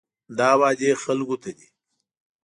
دا وعدې خلکو ته دي.